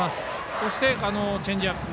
そして、チェンジアップ。